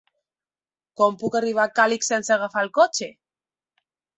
Com puc arribar a Càlig sense agafar el cotxe?